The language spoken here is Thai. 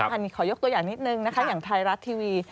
อันนี้ขอยกตัวอย่างนิดนึงนะคะอย่างไทยรัฐทีวี